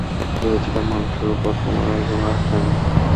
ভেবেছিলাম মানুষের উপর তোমার আর কোনো আস্থা নেই।